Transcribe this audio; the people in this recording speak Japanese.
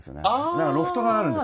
だからロフトがあるんです。